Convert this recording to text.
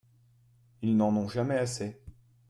Ils n'en ont jamais assez.